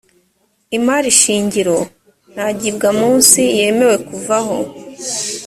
imari shingiro ntagibwamunsi yemewe kuvaho